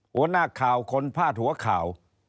หัวหน้าข่าวคนพาดหัวข่าว